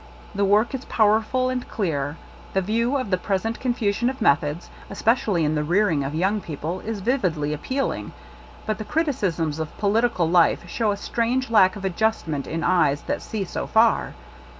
The work is powerful and clear ; the view of the present confusion of methods, especially in the rearing of young peo ple, is vividly appealing; but the criti cisms of political life show a strange lack of adjustment in eyes that see so far.